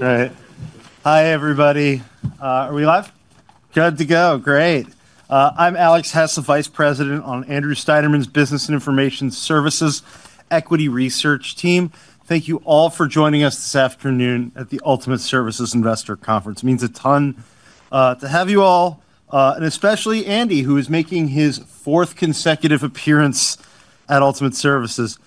All right. Hi, everybody. Are we live? Good to go. Great. I'm Alex Hess, Vice President on Andrew Steinerman's Business and Information Services Equity Research Team. Thank you all for joining us this afternoon at the Ultimate Services Investor Conference. It means a ton to have you all, and especially Andy, who is making his fourth consecutive appearance at Ultimate Services.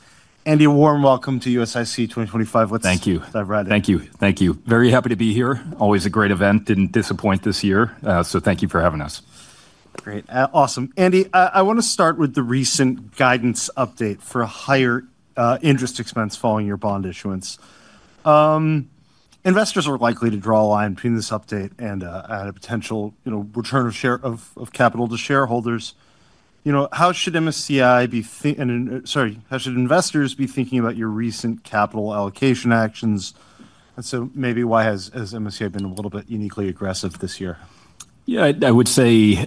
Andy, a warm welcome to USIC 2025. Thank you. Let's dive right in. Thank you. Thank you. Very happy to be here. Always a great event. Did not disappoint this year. Thank you for having us. Great. Awesome. Andy, I want to start with the recent guidance update for higher interest expense following your bond issuance. Investors are likely to draw a line between this update and a potential return of share of capital to shareholders. How should MSCI be thinking? Sorry. How should investors be thinking about your recent capital allocation actions? And maybe why has MSCI been a little bit uniquely aggressive this year? Yeah, I would say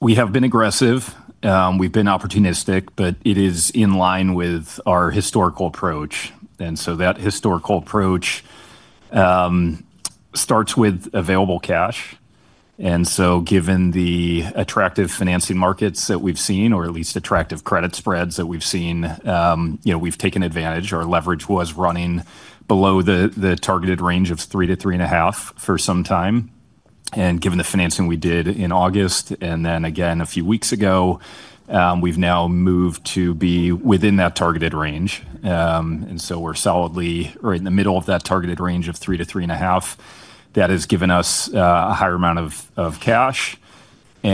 we have been aggressive. We've been opportunistic, but it is in line with our historical approach. That historical approach starts with available cash. Given the attractive financing markets that we've seen, or at least attractive credit spreads that we've seen, we've taken advantage. Our leverage was running below the targeted range of 3-3.5 for some time. Given the financing we did in August, and then again a few weeks ago, we've now moved to be within that targeted range. We are solidly right in the middle of that targeted range of 3-3.5. That has given us a higher amount of cash. We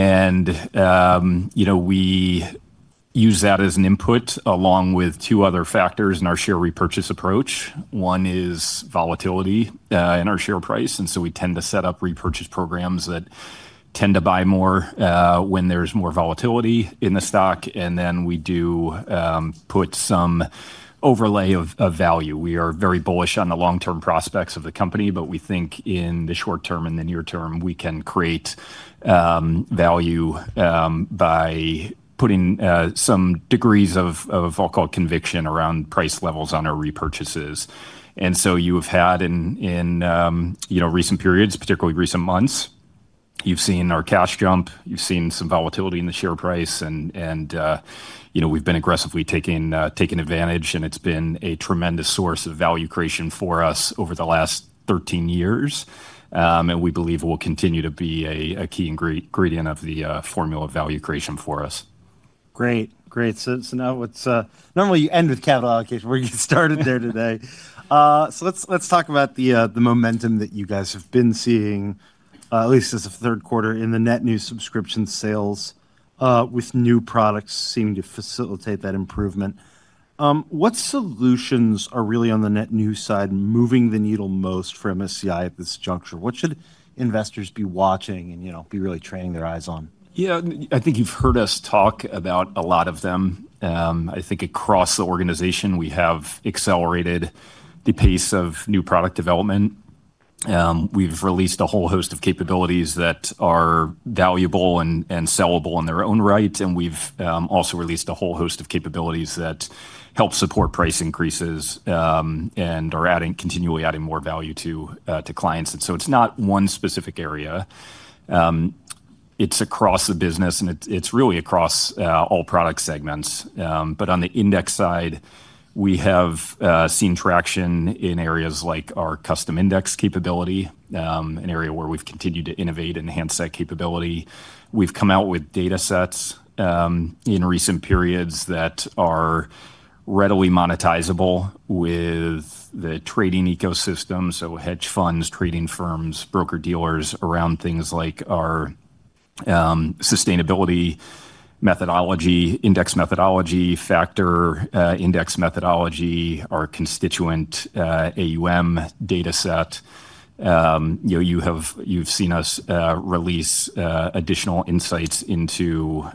use that as an input along with two other factors in our share repurchase approach. One is volatility in our share price. We tend to set up repurchase programs that tend to buy more when there is more volatility in the stock. We do put some overlay of value. We are very bullish on the long-term prospects of the company, but we think in the short term and the near term, we can create value by putting some degrees of, I'll call it, conviction around price levels on our repurchases. You have had in recent periods, particularly recent months, you have seen our cash jump. You have seen some volatility in the share price. We have been aggressively taking advantage. It has been a tremendous source of value creation for us over the last 13 years. We believe it will continue to be a key ingredient of the formula of value creation for us. Great. Great. Now it's normally you end with capital allocation. We're getting started there today. Let's talk about the momentum that you guys have been seeing, at least as of the third quarter, in the net new subscription sales, with new products seeming to facilitate that improvement. What solutions are really on the net new side moving the needle most for MSCI at this juncture? What should investors be watching and be really training their eyes on? Yeah, I think you've heard us talk about a lot of them. I think across the organization, we have accelerated the pace of new product development. We've released a whole host of capabilities that are valuable and sellable in their own right. We've also released a whole host of capabilities that help support price increases and are continually adding more value to clients. It's not one specific area. It's across the business, and it's really across all product segments. On the index side, we have seen traction in areas like our custom index capability, an area where we've continued to innovate and enhance that capability. We've come out with data sets in recent periods that are readily monetizable with the trading ecosystem. Hedge funds, trading firms, broker-dealers around things like our sustainability methodology, index methodology factor, index methodology, our constituent AUM data set. You've seen us release additional insights into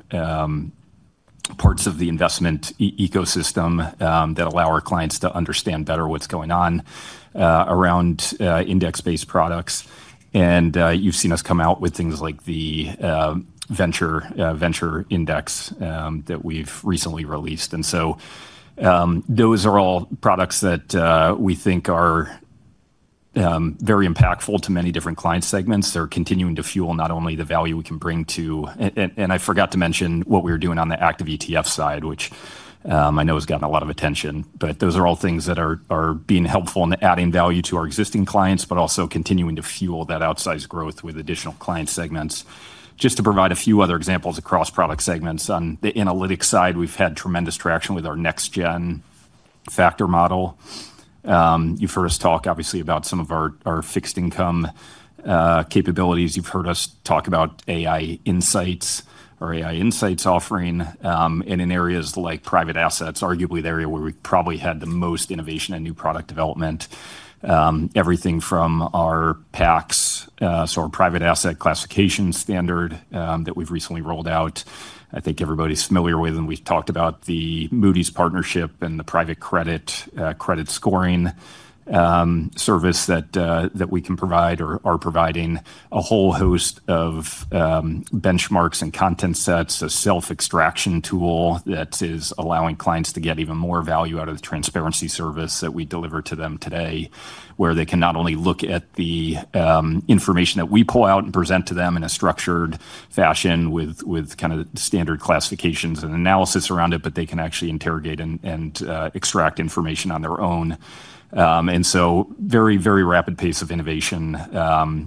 parts of the investment ecosystem that allow our clients to understand better what's going on around index-based products. You've seen us come out with things like the Venture Index that we've recently released. Those are all products that we think are very impactful to many different client segments. They're continuing to fuel not only the value we can bring to, and I forgot to mention what we were doing on the active ETF side, which I know has gotten a lot of attention. Those are all things that are being helpful in adding value to our existing clients, but also continuing to fuel that outsized growth with additional client segments. Just to provide a few other examples across product segments. On the analytics side, we've had tremendous traction with our Next-Gen Factor Model. You've heard us talk, obviously, about some of our fixed-income capabilities. You've heard us talk about AI insights or AI insights offering in areas like private assets, arguably the area where we probably had the most innovation and new product development. Everything from our PACS, so our private asset classification standard that we've recently rolled out. I think everybody's familiar with them. We've talked about the Moody's partnership and the private credit scoring service that we can provide or are providing, a whole host of benchmarks and content sets, a self-extraction tool that is allowing clients to get even more value out of the transparency service that we deliver to them today, where they can not only look at the information that we pull out and present to them in a structured fashion with kind of standard classifications and analysis around it, but they can actually interrogate and extract information on their own. Very, very rapid pace of innovation,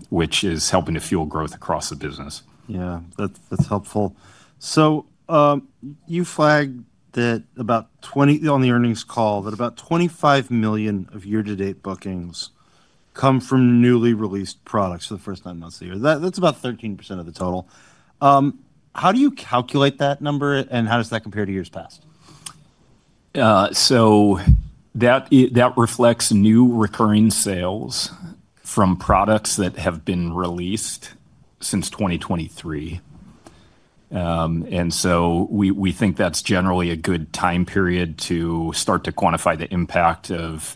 which is helping to fuel growth across the business. Yeah, that's helpful. You flagged that on the earnings call, that about $25 million of year-to-date bookings come from newly released products for the first nine months of the year. That's about 13% of the total. How do you calculate that number, and how does that compare to years past? That reflects new recurring sales from products that have been released since 2023. We think that's generally a good time period to start to quantify the impact of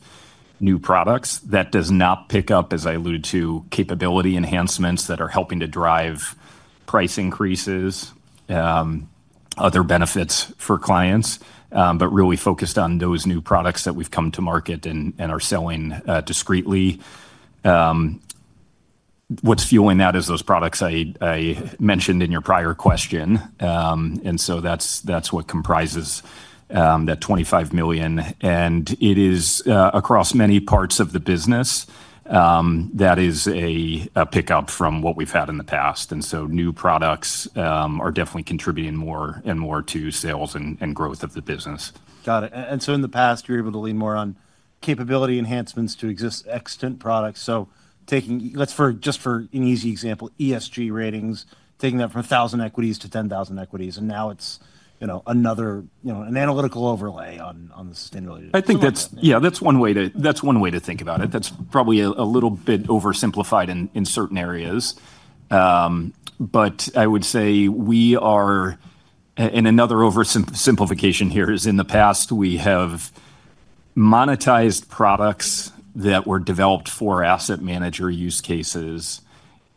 new products. That does not pick up, as I alluded to, capability enhancements that are helping to drive price increases, other benefits for clients, but really focused on those new products that we've come to market and are selling discreetly. What's fueling that is those products I mentioned in your prior question. That's what comprises that $25 million. It is across many parts of the business. That is a pickup from what we've had in the past. New products are definitely contributing more and more to sales and growth of the business. Got it. In the past, you were able to lean more on capability enhancements to extant products. Just for an easy example, ESG Ratings, taking that from 1,000 equities to 10,000 equities. Now it's another analytical overlay on the sustainability. I think that's, yeah, that's one way to think about it. That's probably a little bit oversimplified in certain areas. I would say we are in, another oversimplification here is in the past, we have monetized products that were developed for asset manager use cases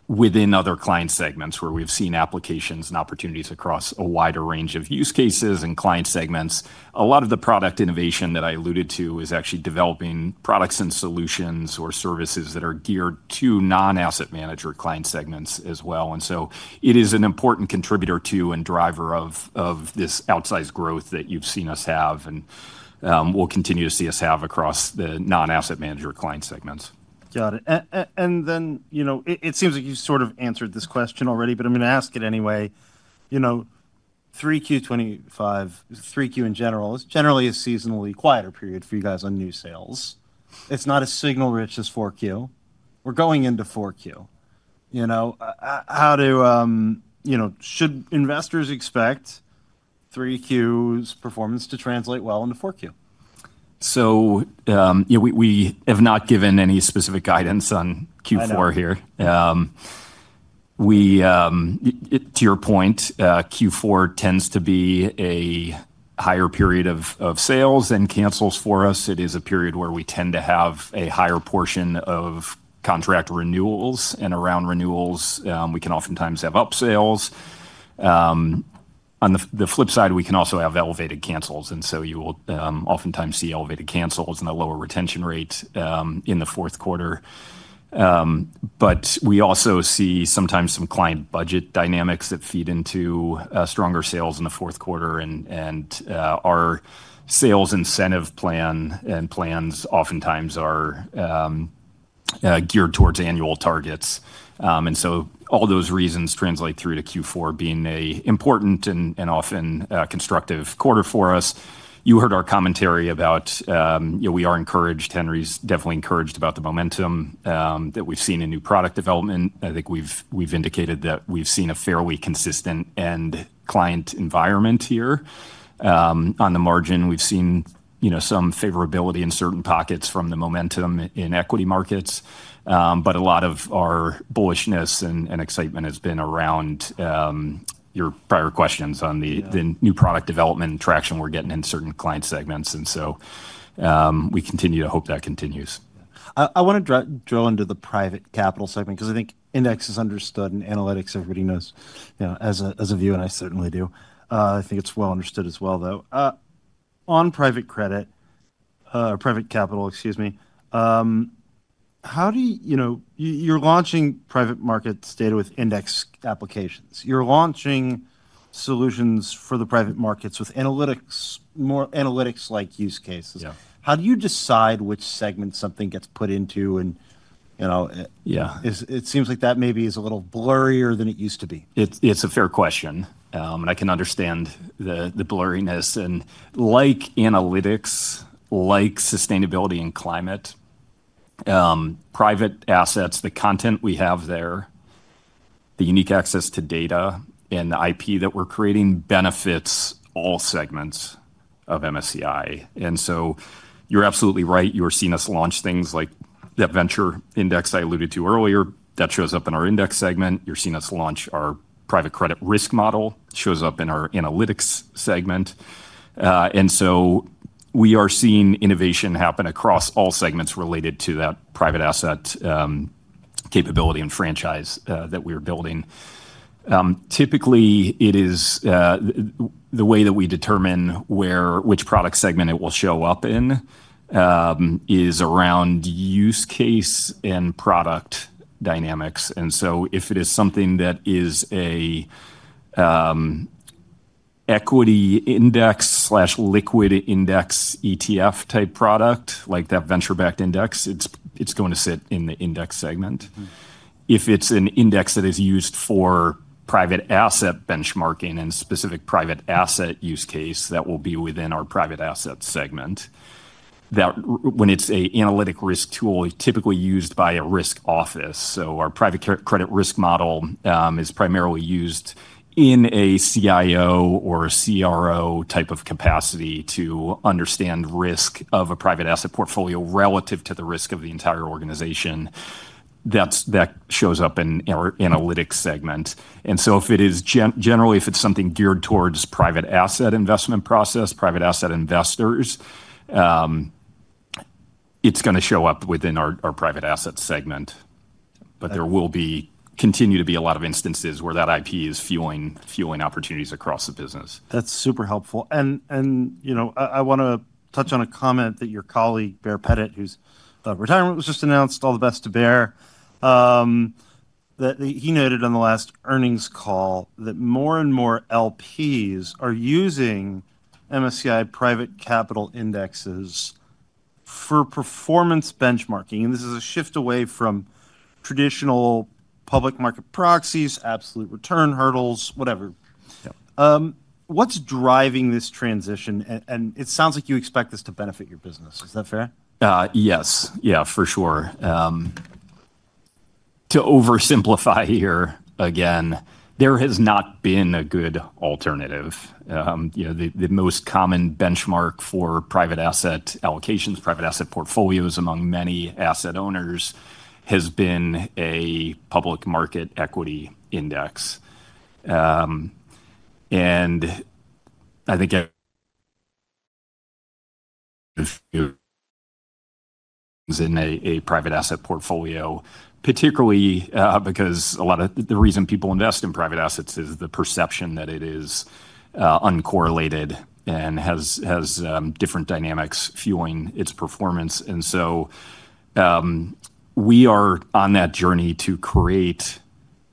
within other client segments where we've seen applications and opportunities across a wider range of use cases and client segments. A lot of the product innovation that I alluded to is actually developing products and solutions or services that are geared to non-asset manager client segments as well. It is an important contributor to and driver of this outsized growth that you've seen us have and will continue to see us have across the non-asset manager client segments. Got it. And then it seems like you sort of answered this question already, but I'm going to ask it anyway. 3Q 2025, 3Q in general, is generally a seasonally quieter period for you guys on new sales. It's not as signal-rich as 4Q. We're going into 4Q. Should investors expect 3Q's performance to translate well into 4Q? We have not given any specific guidance on Q4 here. To your point, Q4 tends to be a higher period of sales and cancels for us. It is a period where we tend to have a higher portion of contract renewals. Around renewals, we can oftentimes have upsales. On the flip side, we can also have elevated cancels. You will oftentimes see elevated cancels and a lower retention rate in the fourth quarter. We also see sometimes some client budget dynamics that feed into stronger sales in the fourth quarter. Our sales incentive plan and plans oftentimes are geared towards annual targets. All those reasons translate through to Q4 being an important and often constructive quarter for us. You heard our commentary about we are encouraged. Henry's definitely encouraged about the momentum that we've seen in new product development. I think we've indicated that we've seen a fairly consistent end client environment here. On the margin, we've seen some favorability in certain pockets from the momentum in equity markets. A lot of our bullishness and excitement has been around your prior questions on the new product development and traction we're getting in certain client segments. We continue to hope that continues. I want to drill into the private capital segment because I think index is understood and analytics, everybody knows as a view, and I certainly do. I think it is well understood as well, though. On private credit, private capital, excuse me. You are launching private markets data with index applications. You are launching solutions for the private markets with analytics, more analytics-like use cases. How do you decide which segment something gets put into? It seems like that maybe is a little blurrier than it used to be. It's a fair question. I can understand the blurriness. Like analytics, like sustainability and climate, private assets, the content we have there, the unique access to data and the IP that we're creating benefits all segments of MSCI. You're absolutely right. You're seeing us launch things like that Venture Index I alluded to earlier. That shows up in our index segment. You're seeing us launch our Private Credit Risk Model. It shows up in our analytics segment. We are seeing innovation happen across all segments related to that private asset capability and franchise that we are building. Typically, the way that we determine which product segment it will show up in is around use case and product dynamics. If it is something that is an equity index/liquid index ETF-type product, like that venture-backed index, it is going to sit in the index segment. If it is an index that is used for private asset benchmarking and specific private asset use case, that will be within our private asset segment. When it is an analytic risk tool, it is typically used by a risk office. Our private credit risk model is primarily used in a CIO or CRO type of capacity to understand risk of a private asset portfolio relative to the risk of the entire organization. That shows up in our analytics segment. Generally, if it is something geared towards private asset investment process, private asset investors, it is going to show up within our private asset segment. There will continue to be a lot of instances where that IP is fueling opportunities across the business. That's super helpful. I want to touch on a comment that your colleague, Baer Pettit, whose retirement was just announced, all the best to Baer. He noted on the last earnings call that more and more LPs are using MSCI private capital indexes for performance benchmarking. This is a shift away from traditional public market proxies, absolute return hurdles, whatever. What's driving this transition? It sounds like you expect this to benefit your business. Is that fair? Yes. Yeah, for sure. To oversimplify here, again, there has not been a good alternative. The most common benchmark for private asset allocations, private asset portfolios among many asset owners, has been a public market equity index. I think it's in a private asset portfolio, particularly because a lot of the reason people invest in private assets is the perception that it is uncorrelated and has different dynamics fueling its performance. We are on that journey to create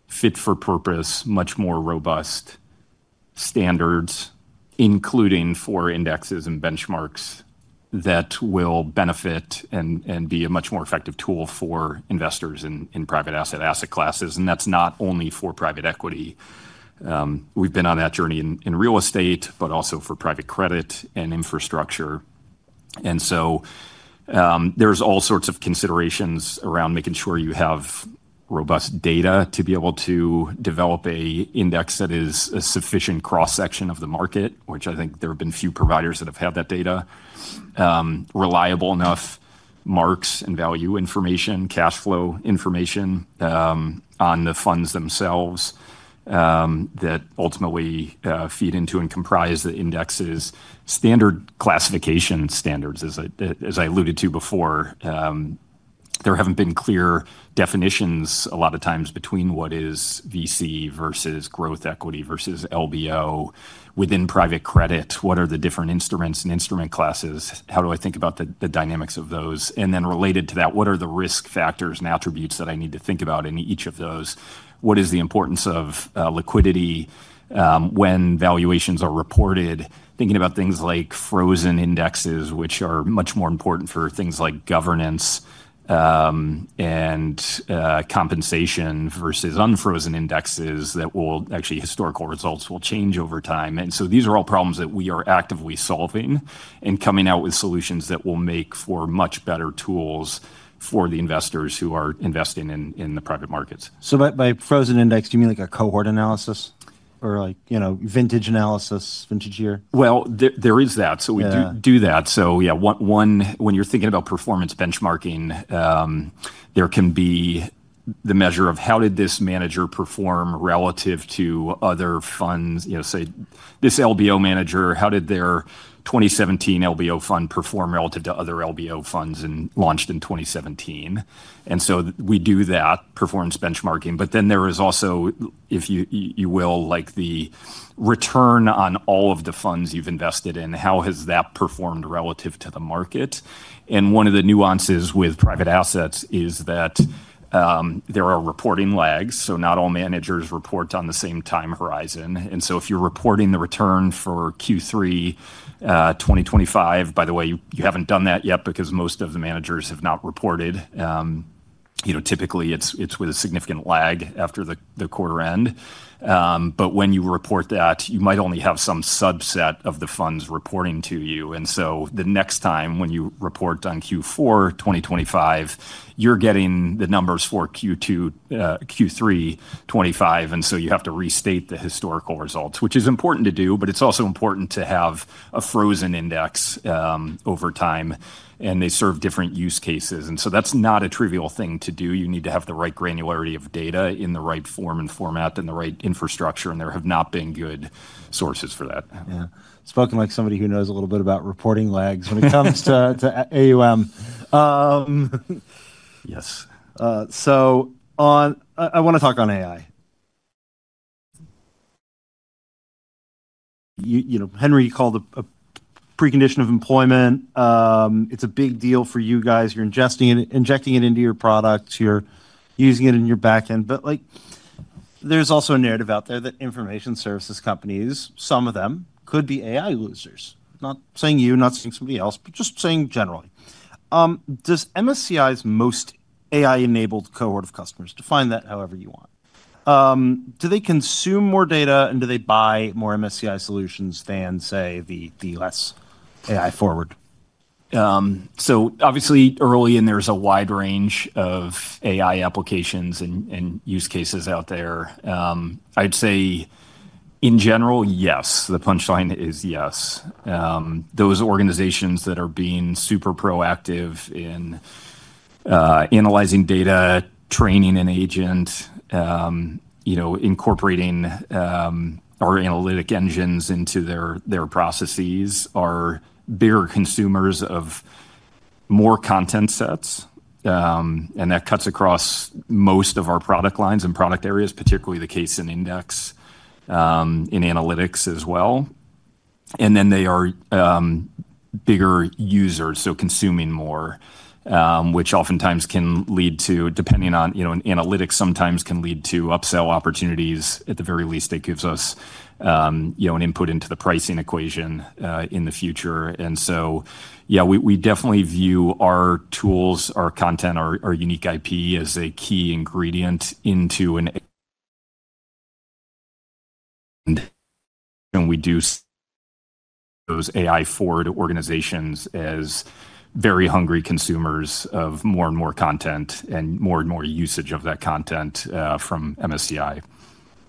fit for purpose, much more robust standards, including for indexes and benchmarks that will benefit and be a much more effective tool for investors in private asset classes. That is not only for private equity. We have been on that journey in real estate, but also for private credit and infrastructure. There are all sorts of considerations around making sure you have robust data to be able to develop an index that is a sufficient cross-section of the market, which I think there have been few providers that have had that data, reliable enough marks and value information, cash flow information on the funds themselves that ultimately feed into and comprise the indexes. Standard classification standards, as I alluded to before, there have not been clear definitions a lot of times between what is VC versus growth equity versus LBO within private credit. What are the different instruments and instrument classes? How do I think about the dynamics of those? Related to that, what are the risk factors and attributes that I need to think about in each of those? What is the importance of liquidity when valuations are reported? Thinking about things like frozen indexes, which are much more important for things like governance and compensation versus unfrozen indexes that will actually historical results will change over time. These are all problems that we are actively solving and coming out with solutions that will make for much better tools for the investors who are investing in the private markets. By frozen index, do you mean like a cohort analysis or vintage analysis, vintage year? There is that. We do that. Yeah, when you're thinking about performance benchmarking, there can be the measure of how did this manager perform relative to other funds. Say this LBO manager, how did their 2017 LBO fund perform relative to other LBO funds launched in 2017? We do that performance benchmarking. Then there is also, if you will, like the return on all of the funds you've invested in, how has that performed relative to the market? One of the nuances with private assets is that there are reporting lags. Not all managers report on the same time horizon. If you're reporting the return for Q3 2025, by the way, you haven't done that yet because most of the managers have not reported. Typically, it's with a significant lag after the quarter end. When you report that, you might only have some subset of the funds reporting to you. The next time when you report on Q4 2025, you're getting the numbers for Q3 2025. You have to restate the historical results, which is important to do, but it's also important to have a frozen index over time. They serve different use cases. That's not a trivial thing to do. You need to have the right granularity of data in the right form and format and the right infrastructure. There have not been good sources for that. Yeah. Spoken like somebody who knows a little bit about reporting lags when it comes to AUM. Yes. I want to talk on AI. Henry, you called it a precondition of employment. It's a big deal for you guys. You're injecting it into your products. You're using it in your backend. There's also a narrative out there that information services companies, some of them, could be AI losers. Not saying you, not saying somebody else, just saying generally. Does MSCI's most AI-enabled cohort of customers, define that however you want, do they consume more data and do they buy more MSCI solutions than, say, the less AI-forward? Obviously, early in, there's a wide range of AI applications and use cases out there. I'd say, in general, yes. The punchline is yes. Those organizations that are being super proactive in analyzing data, training an agent, incorporating our analytic engines into their processes are bigger consumers of more content sets. That cuts across most of our product lines and product areas, particularly the case in index, in analytics as well. They are bigger users, so consuming more, which oftentimes can lead to, depending on analytics, sometimes can lead to upsell opportunities. At the very least, it gives us an input into the pricing equation in the future. Yeah, we definitely view our tools, our content, our unique IP as a key ingredient into an. We do see those AI-forward organizations as very hungry consumers of more and more content and more and more usage of that content from MSCI.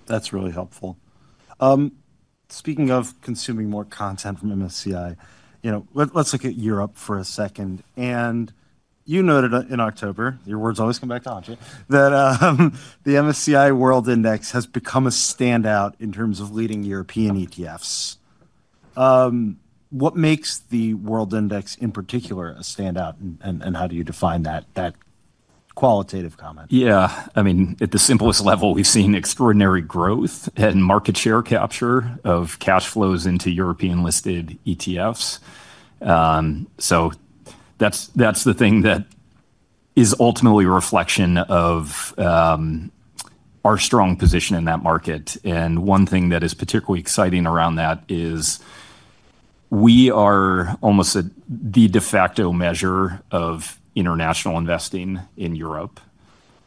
That's really helpful. Speaking of consuming more content from MSCI, let's look at Europe for a second. You noted in October, your words always come back to haunt you, that the MSCI World Index has become a standout in terms of leading European ETFs. What makes the World Index in particular a standout and how do you define that qualitative comment? Yeah. I mean, at the simplest level, we've seen extraordinary growth and market share capture of cash flows into European-listed ETFs. That's the thing that is ultimately a reflection of our strong position in that market. One thing that is particularly exciting around that is we are almost the de facto measure of international investing in Europe.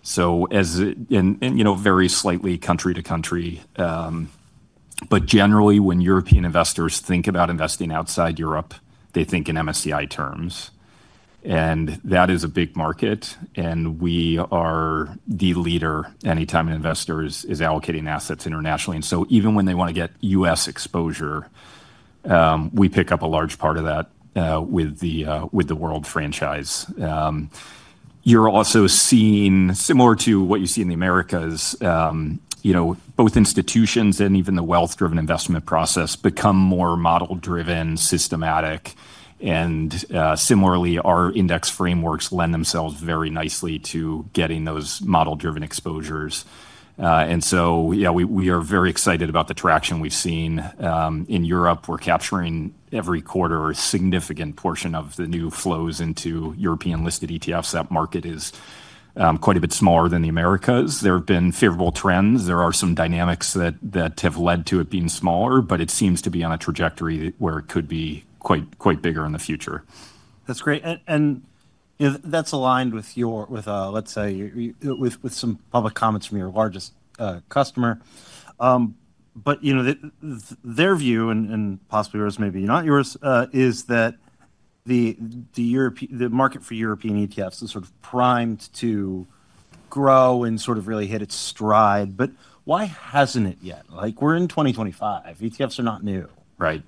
It varies slightly country to country. Generally, when European investors think about investing outside Europe, they think in MSCI terms. That is a big market. We are the leader anytime an investor is allocating assets internationally. Even when they want to get U.S. exposure, we pick up a large part of that with the World franchise. You're also seeing, similar to what you see in the Americas, both institutions and even the wealth-driven investment process become more model-driven, systematic. Similarly, our index frameworks lend themselves very nicely to getting those model-driven exposures. Yeah, we are very excited about the traction we've seen in Europe. We're capturing every quarter a significant portion of the new flows into European-listed ETFs. That market is quite a bit smaller than the Americas. There have been favorable trends. There are some dynamics that have led to it being smaller, but it seems to be on a trajectory where it could be quite bigger in the future. That's great. That's aligned with, let's say, with some public comments from your largest customer. Their view, and possibly yours, maybe not yours, is that the market for European ETFs is sort of primed to grow and sort of really hit its stride. Why hasn't it yet? We're in 2025. ETFs are not new. Right.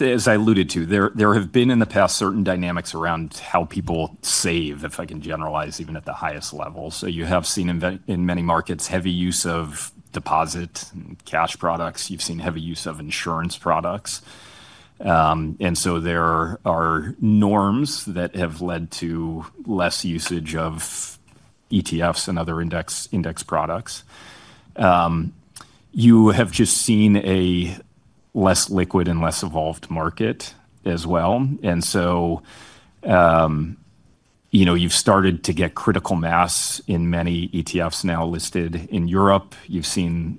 As I alluded to, there have been in the past certain dynamics around how people save, if I can generalize, even at the highest level. You have seen in many markets heavy use of deposit and cash products. You have seen heavy use of insurance products. There are norms that have led to less usage of ETFs and other index products. You have just seen a less liquid and less evolved market as well. You have started to get critical mass in many ETFs now listed in Europe. You have seen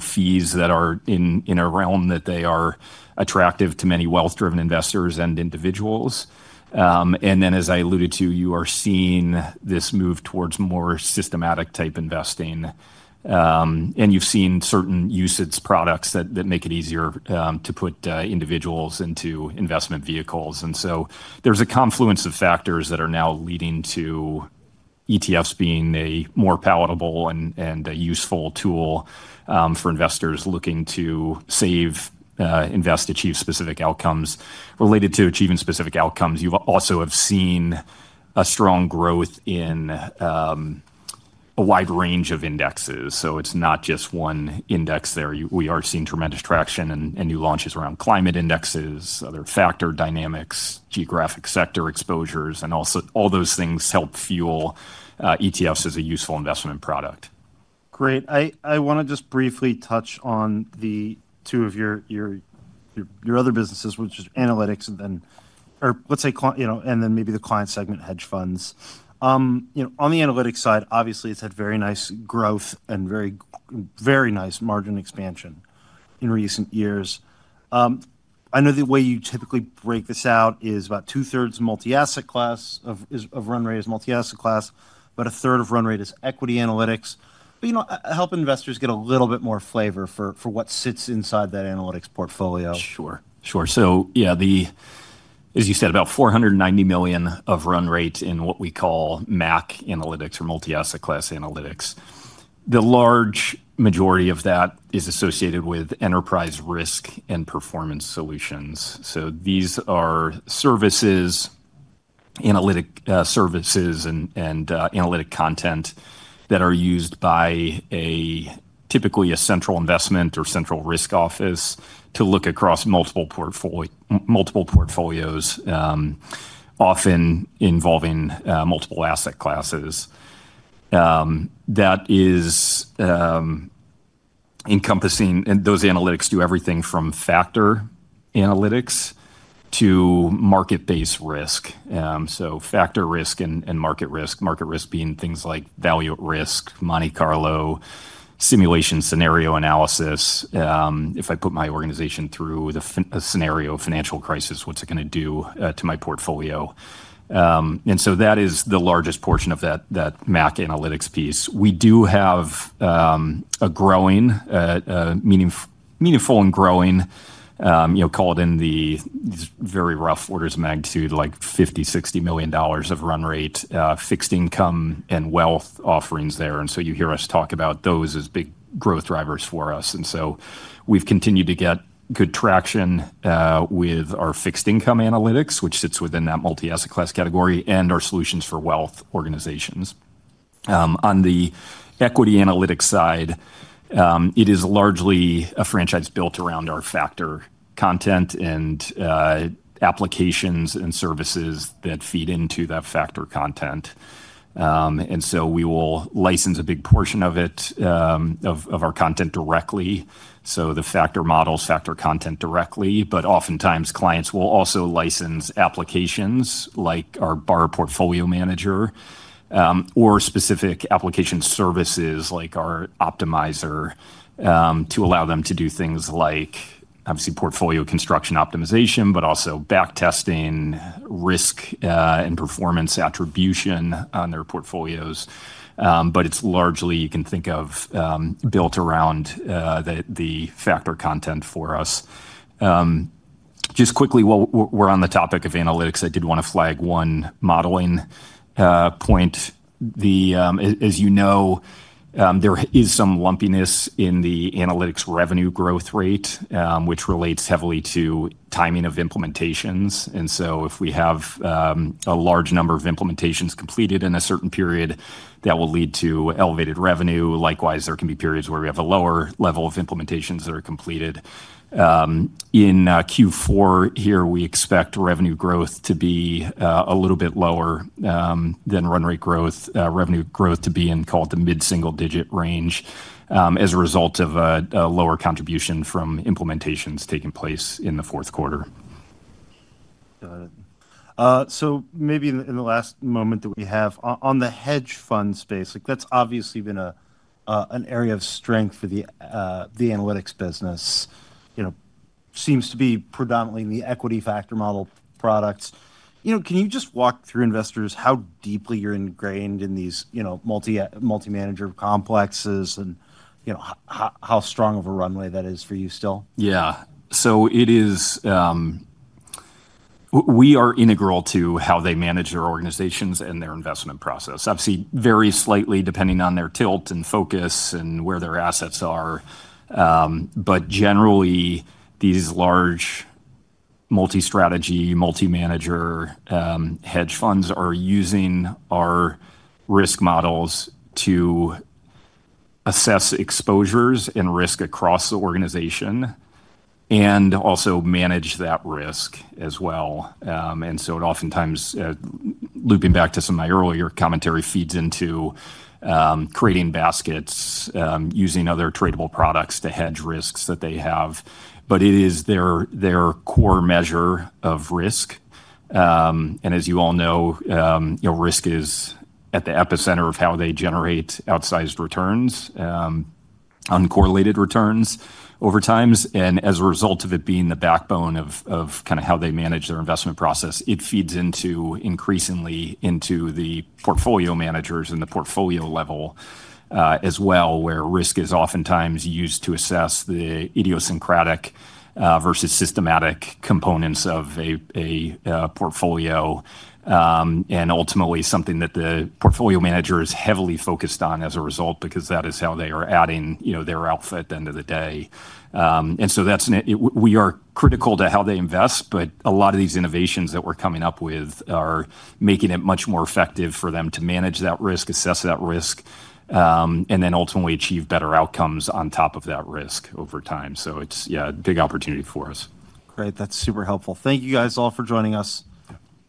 fees that are in a realm that they are attractive to many wealth-driven investors and individuals. As I alluded to, you are seeing this move towards more systematic type investing. You have seen certain usage products that make it easier to put individuals into investment vehicles. There is a confluence of factors that are now leading to ETFs being a more palatable and useful tool for investors looking to save, invest, achieve specific outcomes. Related to achieving specific outcomes, you also have seen a strong growth in a wide range of indexes. It is not just one index there. We are seeing tremendous traction and new launches around climate indexes, other factor dynamics, geographic sector exposures. All those things help fuel ETFs as a useful investment product. Great. I want to just briefly touch on the two of your other businesses, which are analytics and then, or let's say, and then maybe the client segment hedge funds. On the analytics side, obviously, it's had very nice growth and very nice margin expansion in recent years. I know the way you typically break this out is about two-thirds multi-asset class of run rate is multi-asset class, but a third of run rate is equity analytics. Help investors get a little bit more flavor for what sits inside that analytics portfolio. Sure. Sure. So yeah, as you said, about $490 million of run rate in what we call MAC analytics or multi-asset class analytics. The large majority of that is associated with enterprise risk and performance solutions. These are analytic services and analytic content that are used by typically a central investment or central risk office to look across multiple portfolios, often involving multiple asset classes. That is encompassing, and those analytics do everything from factor analytics to market-based risk. Factor risk and market risk, market risk being things like value at risk, Monte Carlo simulation, scenario analysis. If I put my organization through a scenario of financial crisis, what's it going to do to my portfolio? That is the largest portion of that MAC analytics piece. We do have a meaningful and growing, call it in the very rough orders of magnitude, like $50 million-$60 million of run rate fixed income and wealth offerings there. You hear us talk about those as big growth drivers for us. We have continued to get good traction with our fixed income analytics, which sits within that multi-asset class category, and our solutions for wealth organizations. On the equity analytics side, it is largely a franchise built around our factor content and applications and services that feed into that factor content. We will license a big portion of our content directly. The factor models, factor content directly, but oftentimes clients will also license applications like our Barra Portfolio Manager or specific application services like our Optimizer to allow them to do things like, obviously, portfolio construction optimization, but also back testing, risk, and performance attribution on their portfolios. It is largely, you can think of, built around the factor content for us. Just quickly, while we're on the topic of analytics, I did want to flag one modeling point. As you know, there is some lumpiness in the analytics revenue growth rate, which relates heavily to timing of implementations. If we have a large number of implementations completed in a certain period, that will lead to elevated revenue. Likewise, there can be periods where we have a lower level of implementations that are completed. In Q4 here, we expect revenue growth to be a little bit lower than run rate growth, revenue growth to be in, call it the mid-single digit range as a result of a lower contribution from implementations taking place in the fourth quarter. Got it. Maybe in the last moment that we have on the hedge fund space, that's obviously been an area of strength for the analytics business. Seems to be predominantly in the equity factor model products. Can you just walk through, investors, how deeply you're ingrained in these multi-manager complexes and how strong of a runway that is for you still? Yeah. We are integral to how they manage their organizations and their investment process. Obviously, it varies slightly depending on their tilt and focus and where their assets are. Generally, these large multi-strategy, multi-manager hedge funds are using our risk models to assess exposures and risk across the organization and also manage that risk as well. It oftentimes, looping back to some of my earlier commentary, feeds into creating baskets, using other tradable products to hedge risks that they have. It is their core measure of risk. As you all know, risk is at the epicenter of how they generate outsized returns, uncorrelated returns over time. As a result of it being the backbone of kind of how they manage their investment process, it feeds increasingly into the portfolio managers and the portfolio level as well, where risk is oftentimes used to assess the idiosyncratic versus systematic components of a portfolio and ultimately something that the portfolio manager is heavily focused on as a result because that is how they are adding their outfit at the end of the day. We are critical to how they invest, but a lot of these innovations that we're coming up with are making it much more effective for them to manage that risk, assess that risk, and then ultimately achieve better outcomes on top of that risk over time. It's a big opportunity for us. Great. That's super helpful. Thank you guys all for joining us.